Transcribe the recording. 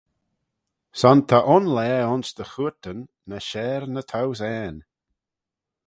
Son ta un laa ayns dty chooyrtyn: ny share na thousane.